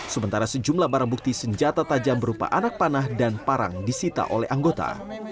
sementara sejumlah barang bukti senjata tajam berupa anak panah dan parang disita oleh anggota